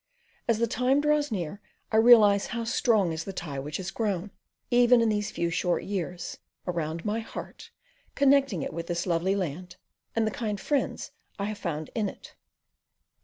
As the time draws near I realize how strong is the tie which has grown, even in these few short years, around my heart, connecting it with this lovely land, and the kind friends I have found in it.